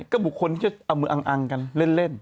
ก็บุกคนที่เอามืออังอังกันเล่น